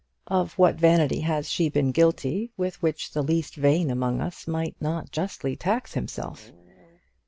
Of what vanity has she been guilty with which the least vain among us might not justly tax himself?